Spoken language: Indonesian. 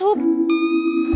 sampai di sub